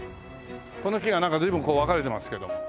この木がなんか随分分かれてますけども。